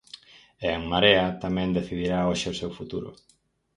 E en Marea tamén decidirá hoxe o seu futuro.